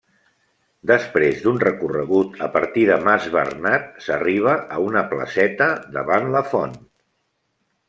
Després d'un recorregut a partir de mas Bernat s'arriba a una placeta davant la font.